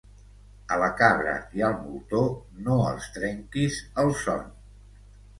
A la cabra i al moltó no els trenquis el son.